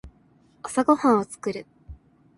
朝ごはんを作る。